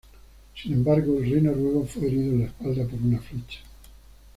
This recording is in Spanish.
Sin embargo, el rey noruego fue herido en la espalda por una flecha.